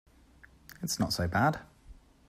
It's not so bad.